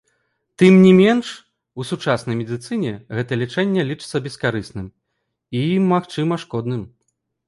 Тым не менш, у сучаснай медыцыне гэта лячэнне лічыцца бескарысным і, магчыма, шкодным.